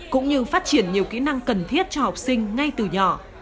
cũng như phát triển nhiều kỹ năng cần thiết cho học sinh ngay từ nhỏ